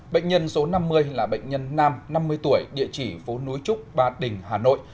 bệnh nhân số năm mươi là bệnh nhân nam năm mươi tuổi địa chỉ phố núi trúc ba đình hà nội